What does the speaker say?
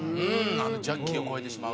あのジャッキーを超えてしまうね。